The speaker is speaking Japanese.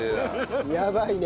やばいね。